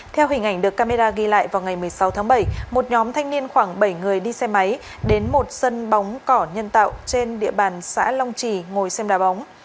theo hình ảnh được camera ghi lại vào ngày một mươi sáu tháng bảy một nhóm thanh niên khoảng bảy người đi xe máy đến một sân bóng cỏ nhân tạo trên địa bàn xã long trì ngồi xem đà bóng